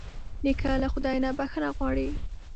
نیکه له خدای نه بښنه غواړي.